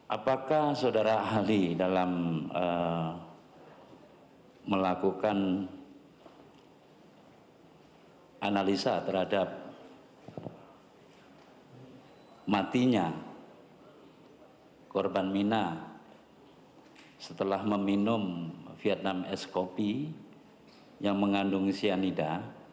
apakah saudara ahli dalam melakukan analisa terhadap matinya korban mina setelah meminum vietnam es kopi yang mengandung cyanida